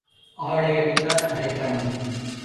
ஆளை அடித்தால் அரைப்பணம்.